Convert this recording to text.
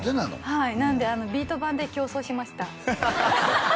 はいなんでビート板で競争しました